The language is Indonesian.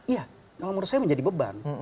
iya kalau menurut saya menjadi beban